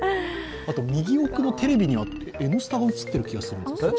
右奥のテレビには「Ｎスタ」が映ってる気がする。